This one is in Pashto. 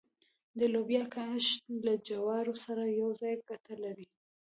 د لوبیا کښت له جوارو سره یوځای ګټه لري؟